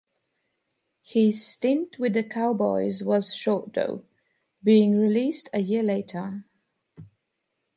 His stint with the Cowboys was short though, being released a year later.